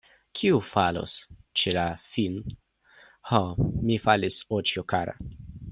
Kiu falos ĉe la fin, Ho, mi falis, oĉjo kara!